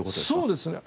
そうですね。